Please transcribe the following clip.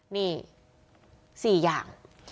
นี่สี่อย่าง